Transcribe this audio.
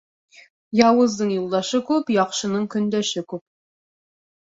Яуыздың юлдашы күп, яҡшының көндәше күп.